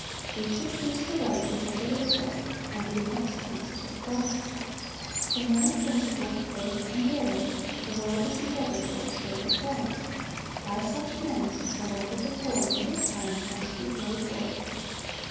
We should choose the right because it is right, and leave consequences with God. To men of principle, faith, and daring, the world is indebted for its great reforms. By such men the work of reform for this time must be carried forward.